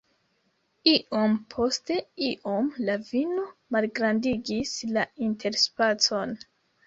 Iom post iom, la vino malgrandigis la interspacon.